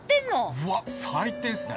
うわ最低っすね